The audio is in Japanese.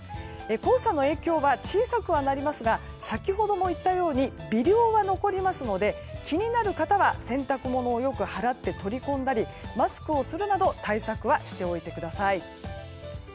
黄砂の影響は小さくはなりますが先ほども言ったように微量は残りますので気になる方は洗濯物をよく払って取り込んだりマスクをするなど対策はしておいてください。